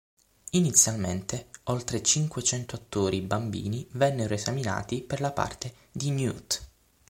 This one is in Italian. Inizialmente oltre cinquecento attori bambini vennero esaminati per la parte di Newt.